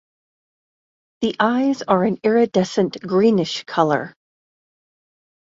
The eyes are an iridescent greenish colour.